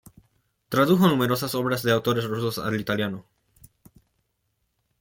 Tradujo numerosas obras de autores rusos al italiano.